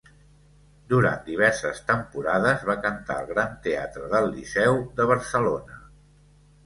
Durant diverses temporades va cantar al Gran Teatre del Liceu de Barcelona.